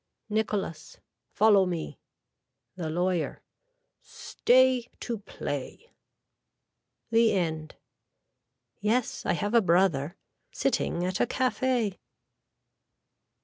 (Nicholas.) Follow me. (The lawyer.) Stay to play. The End. Yes I have a brother. Sitting at a cafe.